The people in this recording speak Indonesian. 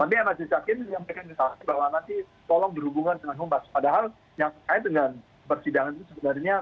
padahal yang saya dengan persidangan itu sebenarnya